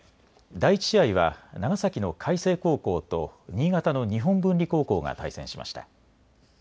第１試合は長崎の海星高校と新潟の日本文理高校が対戦しました。